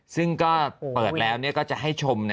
ซึ่งก็เปิดแล้วก็จะให้ชม